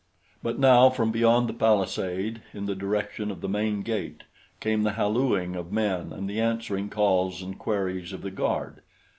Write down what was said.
But now from beyond the palisade in the direction of the main gate came the hallooing of men and the answering calls and queries of the guard.